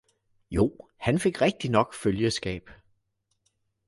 jo han fik rigtignok følgeskab!